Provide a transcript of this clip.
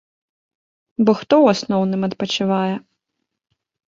Бо хто ў асноўным адпачывае?